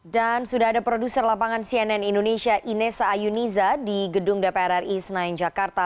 dan sudah ada produser lapangan cnn indonesia inesa ayuniza di gedung dpr ri senayan jakarta